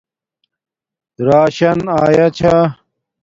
راشان ایا چھا